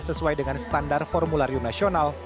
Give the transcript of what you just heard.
sesuai dengan standar formularium nasional